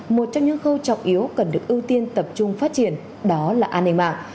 một trong những khâu trọng yếu cần được ưu tiên tập trung phát triển đó là an ninh mạng